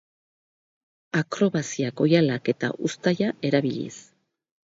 Akrobaziak oihalak eta uztaia erabiliz.